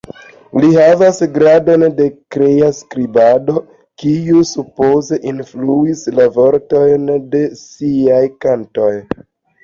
Li havas gradon de krea skribado, kiu supoze influis la vortojn de siaj kantoj.